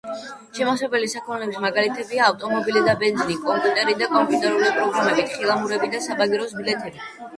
შემავსებელი საქონლის მაგალითებია: ავტომობილი და ბენზინი, კომპიუტერი და კომპიუტერული პროგრამები, თხილამურები და საბაგიროს ბილეთები.